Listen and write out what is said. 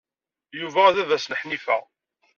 Yuba d baba-s n Ḥnifa.